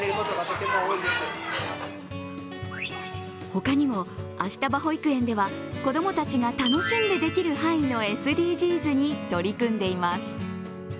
他にも明日葉保育園では子供たちが楽しんでできる範囲のＳＤＧｓに取り組んでいます。